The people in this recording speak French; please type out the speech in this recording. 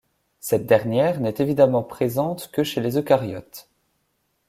Cette dernière n'est évidemment présente que chez les Eucaryotes.